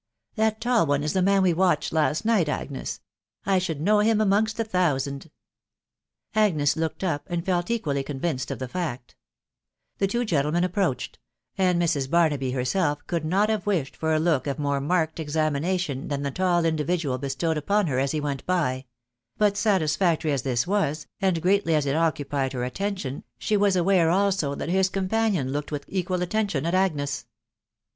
" That tall one is the man we watched lasUnigat* Agm*: I should know him amongst a thousand." Agnes looked up, and felt equally convinced of the facL The two gentlemen approached; and Mrs. Barnahy herself *could not have wished for a look of more marked ^xanainasion than the tall individual bestowed upon* her a* hewentt by: but satisfactory as this was, and greatly as it occupied her attention, she was aware also that his companion loehed with equal attention at Agnes.